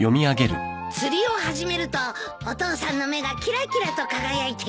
「釣りを始めるとお父さんの目がキラキラと輝いている」